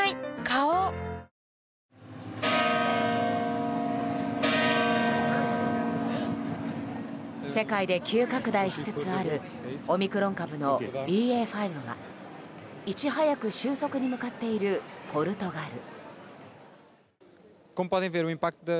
花王世界で急拡大しつつあるオミクロン株のＢＡ．５がいち早く収束に向かっているポルトガル。